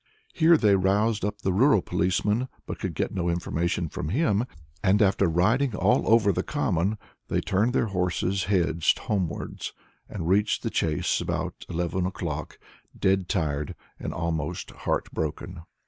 Here they roused up the rural policeman, but could get no information from him, and, after riding all over the common, they turned their horses' heads homewards, and reached the Chase about eleven o'clock, dead tired and almost heart broken.